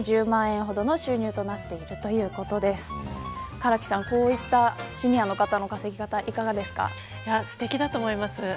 唐木さん、こうしたシニアの方の稼ぎ方すてきだと思います。